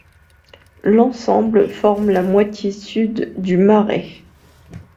L'ensemble forme la moitié sud du Marais.